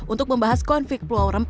untuk membahas konflik